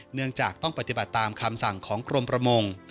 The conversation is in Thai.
เนื่องจากต้องปฏิบัติตามคำสั่งของกรมประมง